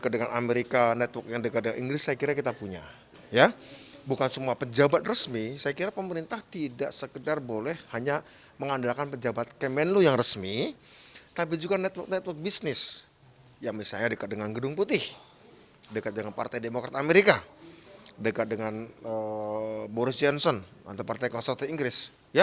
demokrat amerika dekat dengan boris johnson antepartai konsultasi inggris